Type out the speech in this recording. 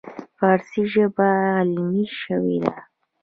فارسي ژبه علمي شوې ده.